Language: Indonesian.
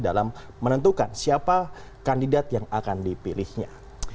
dalam menentukan siapa kandidat yang akan dipilihnya